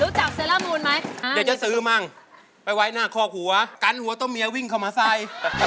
จากเซล่ามูลไหมเดี๋ยวจะซื้อมั่งไปไว้หน้าคอกหัวกันหัวต้มเมียวิ่งเข้ามาใส่